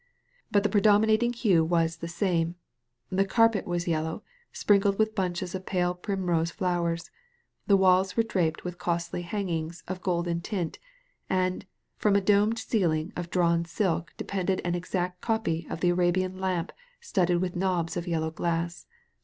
But the predominating hue was the same — the carpet was yellow, sprinkled with bunches of pale primrose flowers, the walls were draped with costly hangings of golden tint, and, from a domed ceiling of drawn silk depended an exact copy of the Arabian lamp studded with knobs of yellow glass.